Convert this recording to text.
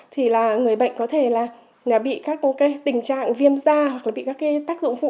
thì là người bệnh có thể là bị các tình trạng viêm da hoặc là bị các cái tác dụng phụ